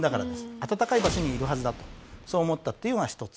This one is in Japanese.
暖かい場所にいるはずだとそう思ったっていうのが１つ。